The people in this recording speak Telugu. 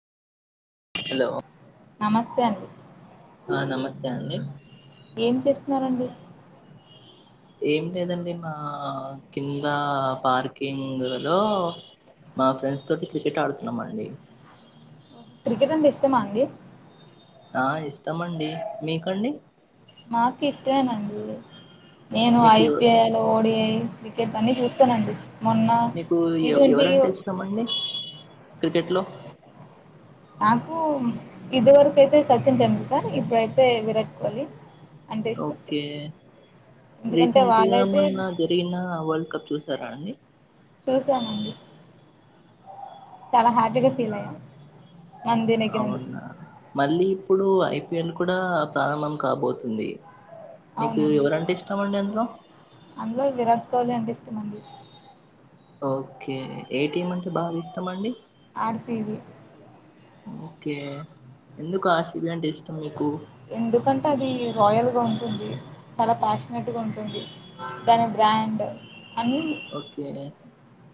హలో నమస్తే అండి అంతే అండి ఏం చేస్తున్నారండి ఏం లేదండి మా కింద పార్కింగ్ లో మా ఫ్రెండ్స్ తోటి క్రికెట్ ఆడుతున్నామండి క్రికెట్ అంటే ఇష్టమా అండి ఆ ఇష్టమండి మీకండి మాకు ఇష్టమేనండి నేను మీకు ఎవ ఐపిఎల్ ఓడి క్రికెట్ అన్ని చూస్తానండి మొన్న మీకు టిట్వంటీ క్రికెట్ లో నాకు ఇదివరకు అయితే సచిన్ టెండూల్కర్ ఇప్పుడైతే విరాట్ కోహ్లీ అంటే ఇష్టం ఓకే ఎందుకంటే రీసెంట్ గా వాళ్ళైతే మొన్న జరిగిన వరల్డ్ కప్ చూస చూస్తారా అండి చూసానండి చాలా హ్యాపీగా ఫీల్ అయ్యా అవునా మళ్ళీ ఇప్పుడు ఐపిఎల్ కూడా ప్రారంభం కాబోతుంది మీకు అవునండి ఎవరంటే ఇష్టం అండి అందులో అందులో విరాట్ కోహ్లీ అంటే ఇష్టమండి ఓకే ఏ టీం అంటే బాగా ఇష్టం అండి ఆర్ సి బి ఓకే ఎందుకు ఆసిబి అంటే ఇష్టం మీ ఎందుకంటే అది రాయల్గా ఉం ఉంది చాలా ప్యాషనెట్గా ఉంటుంది దాని బ్రాండ్ అన్నీ ఓకే